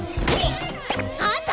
あんた！